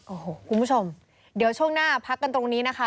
โอ้โหคุณผู้ชมเดี๋ยวช่วงหน้าพักกันตรงนี้นะคะ